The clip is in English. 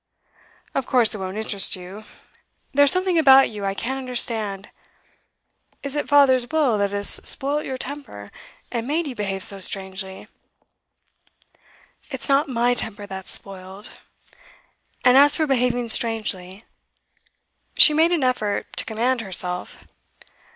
'Of course it won't interest you. There's something about you I can't understand. Is it father's will that has spoilt your temper, and made you behave so strangely?' 'It is not my temper that's spoilt. And as for behaving strangely .' She made an effort to command herself.